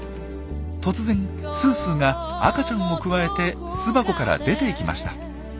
突然すーすーが赤ちゃんをくわえて巣箱から出て行きました。